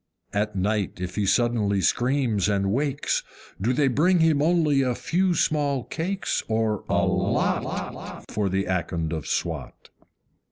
At night if he suddenly screams and wakes, Do they bring him only a few small cakes, or a LOT, For the Akond of Swat?